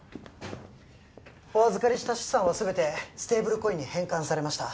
お預かりした資産は全てステーブルコインに変換されました